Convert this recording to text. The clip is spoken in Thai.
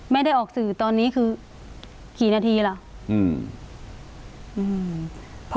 ไม่ได้ออกสื่อตอนนี้คือกี่นาทีล่ะ